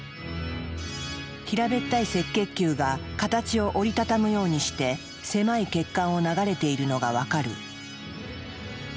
平べったい赤血球が形を折り畳むようにして狭い血管を流れているのが分かる。